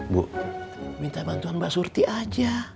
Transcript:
bu minta bantuan mbak surti aja